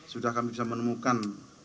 sudah kami bisa menemukan